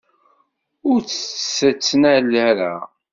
Ur tt-tettnal ara.